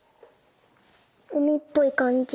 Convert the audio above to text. うみっぽいかんじ。